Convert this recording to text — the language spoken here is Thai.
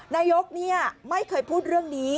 นายกไม่เคยพูดเรื่องนี้